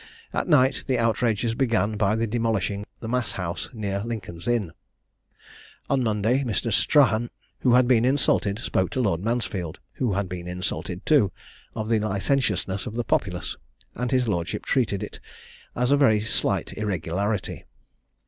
At night the outrages began by the demolishing the Mass house near Lincoln's Inn. "On Monday, Mr. Strahan, who had been insulted, spoke to Lord Mansfield, who had been insulted too, of the licentiousness of the populace; and his lordship treated it as a very slight irregularity.